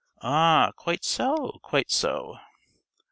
~ _Ah, quite so, quite so.